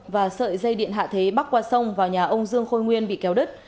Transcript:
và sợi dây điện hạ thế bắc qua sông vào nhà ông dương khôi nguyên bị kéo đứt